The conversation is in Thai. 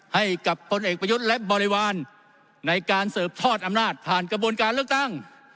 ให้กับพลเอกประยุทธ์และบริวารในการสืบทอดอำนาจผ่านกระบวนการเลือกตั้ง